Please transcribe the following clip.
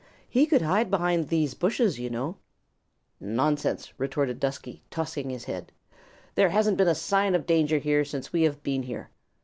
"He could hide behind these bushes, you know." "Nonsense," retorted Dusky, tossing his head. "There hasn't been a sign of danger here since we have been here.